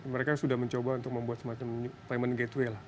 mereka sudah mencoba untuk membuat semacam payment gateway lah